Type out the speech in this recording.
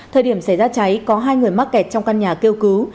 thời điểm xảy ra cháy có hai người mắc kẹt trong căn nhà kêu cứu